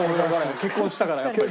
結婚したからやっぱり。